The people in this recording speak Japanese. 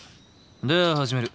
では始める。